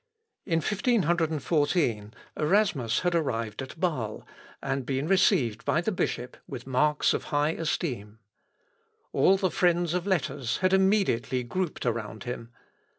In 1514, Erasmus had arrived at Bâle, and been received by the bishop with marks of high esteem. All the friends of letters had immediately grouped around him.